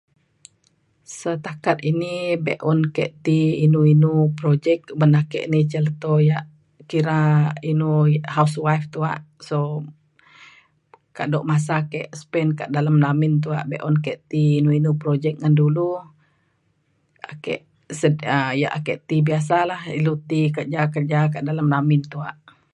setakat ini be’un ke ti inu inu projek uban ake ni ca leto yak kira inu housewife tuak so kado masa ke spend kak dalem lamin tuak be’un ke ti inu inu projek ngan dulu ake se- um yak ake ti biasa lah ilu ti kerja kerja kak dalem lamin tuak.